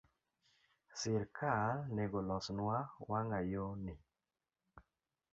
Sirkal nego olosnwa wangayo ni